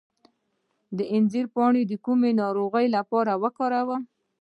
د انځر پاڼې د کومې ناروغۍ لپاره وکاروم؟